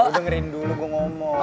gua dengerin dulu gua ngomong